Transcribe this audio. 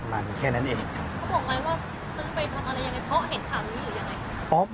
เขาบอกมาว่าซื้อไปทำอะไรอย่างไรเขาเห็นคำนี้หรือยังไง